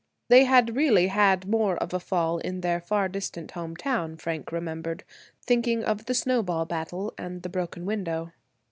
They had really had more of a fall in their far distant home town, Frank remembered, thinking of the snowball battle, and the broken window.